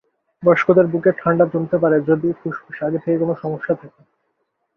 বয়স্কদের বুকে ঠান্ডা জমতে পারে যদি ফুসফুসে আগে থেকে কোনো সমস্যা থাকে।